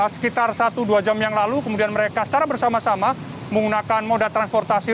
sekitar satu dua jam yang lalu kemudian mereka secara bersama sama menggunakan moda transportasi